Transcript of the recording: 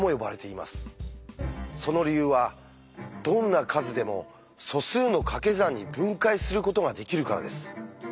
その理由はどんな数でも素数の掛け算に分解することができるからです。